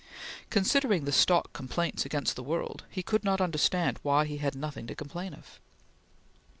Considering the stock complaints against the world, he could not understand why he had nothing to complain of.